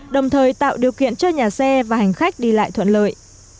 đồng thời tạo điều kiện cho nhà xe và hành khách đi lại thuận lợi